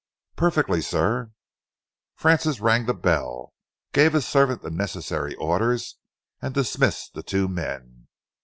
"Perfectly, sir!" Francis rang the bell, gave his servant the necessary orders, and dismissed the two men.